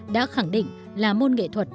đã khẳng định là môn nghệ thuật